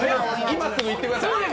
今すぐ行ってください。